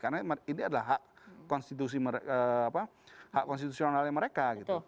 karena ini adalah hak konstitusionalnya mereka